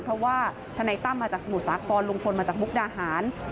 เพราะว่าธนายตั้มมาจากสมุทรสาครลุงพลมาจากมุกดาหาร